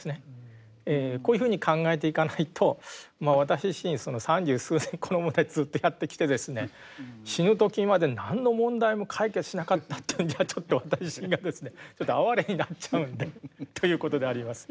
こういうふうに考えていかないと私自身三十数年この問題ずっとやってきてですね死ぬ時まで何の問題も解決しなかったというんじゃちょっと私自身がですねちょっと哀れになっちゃうんで。ということであります。